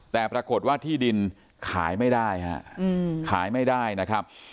แต่ปรากฏว่าที่ดินขายไม่ได้ฮะขายไม่ได้นะครับ